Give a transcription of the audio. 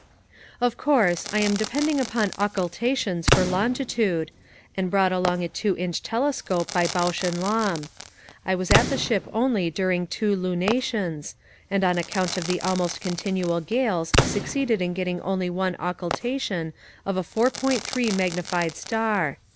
Of course, I am depending upon occultations for longitude, and brought along a two inch telescope by Bausch and Lomb. I was at the ship only during two lunations, and on account of the almost continual gales succeeded in get ting only one occultation of a 4.3 magnified star.